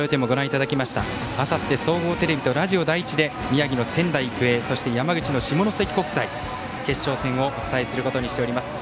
あさって総合テレビとラジオ第１で宮城の仙台育英、山口の下関国際決勝戦をお伝えすることにしています。